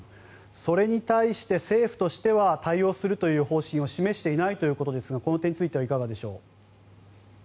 それに対して政府としては対応するという方針を示していないということですがこの点についてはいかがでしょう。